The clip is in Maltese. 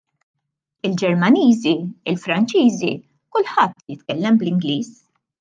Il-Ġermaniżi, il-Franċiżi, kulħadd jitkellem bl-Ingliż.